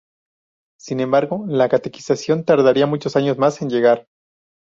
Sin embargo, la catequización tardaría muchos años más en llegar.